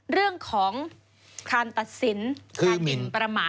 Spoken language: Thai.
เรื่องของการตัดสินการหมินประมาท